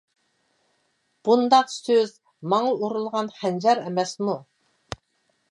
بۇنداق سۆز ماڭا ئۇرۇلغان خەنجەر ئەمەسمۇ.